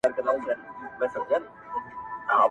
چي پښتو پالي په هر وخت کي پښتانه ملګري،